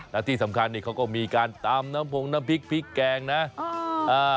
และที่สำคัญนี่เขาก็มีการตำน้ำพงน้ำพริกพริกแกงนะ